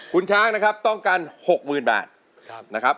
คุณช้างนะครับต้องการ๖๐๐๐บาทนะครับ